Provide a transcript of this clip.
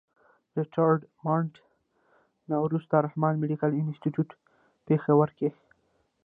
د ريټائرډ منټ نه وروستو رحمان مېډيکل انسټيتيوټ پيښور کښې